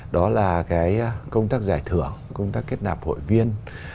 đó là cái công tác giải thưởng công tác kết nạp hội viên